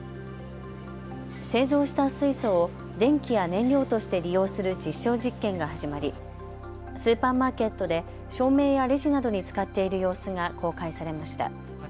製造した水素を電気や燃料として利用する実証実験が始まりスーパーマーケットで照明やレジなどに使っている様子が公開されました。